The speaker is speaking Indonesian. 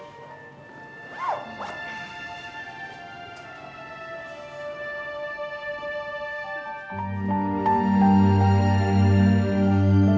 ya allah barang barang kita